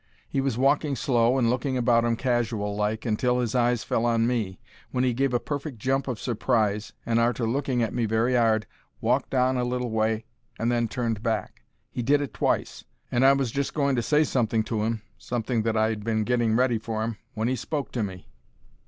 He was walking slow and looking about 'im casual like, until his eyes fell on me, when he gave a perfect jump of surprise, and, arter looking at me very 'ard, walked on a little way and then turned back. He did it twice, and I was just going to say something to 'im, something that I 'ad been getting ready for 'im, when he spoke to me.